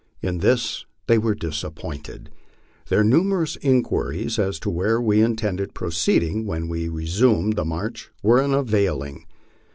In this they were disappointed. Their numerous inquiries as to where we intended proceeding when we re Bumed the march were unavailing.